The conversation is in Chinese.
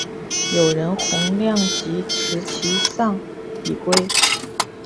友人洪亮吉持其丧以归。